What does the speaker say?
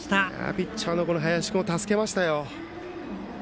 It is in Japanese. ピッチャーの林君を助けましたよ。